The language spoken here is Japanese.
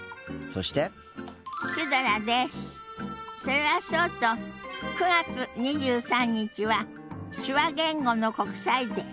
それはそうと９月２３日は手話言語の国際デー。